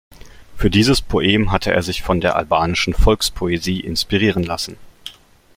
Für dieses Poem hatte er sich von der albanischen Volkspoesie inspirieren lassen.